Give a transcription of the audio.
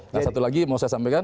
nah satu lagi mau saya sampaikan